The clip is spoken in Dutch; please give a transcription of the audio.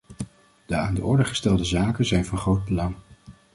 De aan de orde gestelde zaken zijn van groot belang.